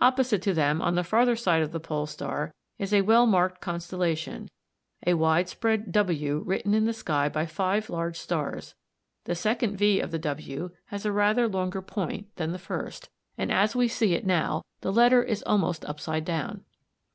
Opposite to them, on the farther side of the Pole star, is a well marked constellation, a widespread W written in the sky by five large stars; the second V of the W has rather a longer point than the first, and as we see it now the letter is almost upside down (see Fig.